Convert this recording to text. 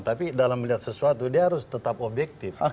tapi dalam melihat sesuatu dia harus tetap objektif